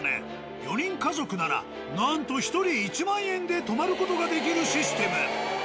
４人家族ならなんと１人１万円で泊まる事ができるシステム。